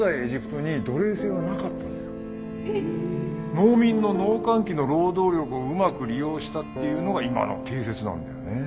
農民の農閑期の労働力をうまく利用したというのが今の定説なんだよね。